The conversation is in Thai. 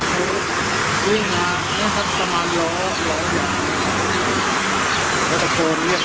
หรือทิดเดี๋ยวคุยด้วยว่าคุยอ้อน์